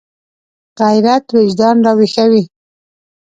غیرت وجدان راویښوي